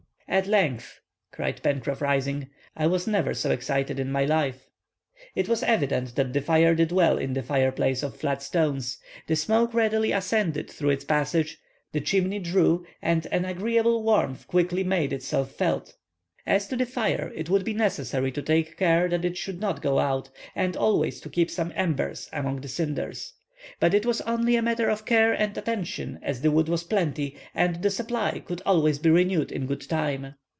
"At length," cried Pencroff, rising, "I never was so excited in my life!" It was evident that the fire did well in the fireplace of flat stones. The smoke readily ascended through its passage; the chimney drew, and an agreeable warmth quickly made itself felt. As to the fire, it would be necessary to take care that it should not go out, and always to keep some embers among the cinders. But it was only a matter of care and attention as the wood was plenty, and the supply could always be renewed in good time.